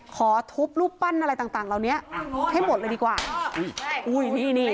คุณปุ้ยอายุ๓๒นางความร้องไห้พูดคนเดี๋ยว